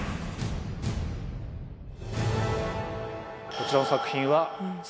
こちらの作品は。